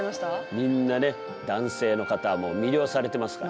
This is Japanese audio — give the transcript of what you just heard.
みんなね男性の方はもう魅了されてますから。